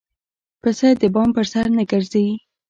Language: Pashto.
پسه د بام پر سر نه ګرځي.